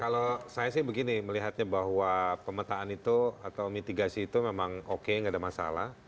kalau saya sih begini melihatnya bahwa pemetaan itu atau mitigasi itu memang oke nggak ada masalah